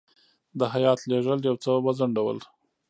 د هیات لېږل یو څه وځنډول.